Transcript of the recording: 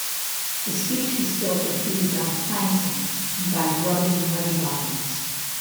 The species filter feeds on plankton and by grubbing muddy bottoms.